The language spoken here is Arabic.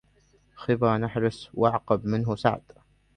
خبا نحس وأعقب منه سعد